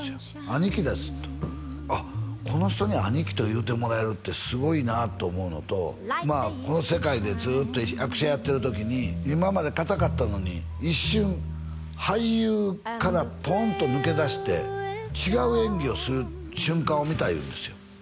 兄貴ですとあっこの人に兄貴と言うてもらえるってすごいなと思うのとまあこの世界でずっと役者やってる時に今までかたかったのに一瞬俳優からポンと抜け出して違う演技をする瞬間を見た言うんですよ